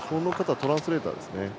トランスレーターですね。